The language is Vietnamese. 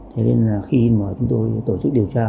thế nên là khi mà chúng tôi tổ chức điều tra